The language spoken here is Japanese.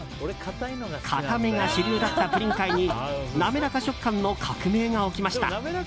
かためが主流だったプリン界になめらか食感の革命が起きました。